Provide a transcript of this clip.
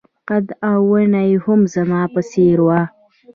قد او ونه يې هم زما په څېر وه.